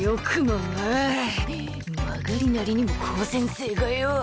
曲がりなりにも高専生がよぉ。